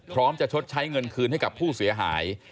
พร้อมจะชดใช้เงินคืนให้กับผู้เสียหาย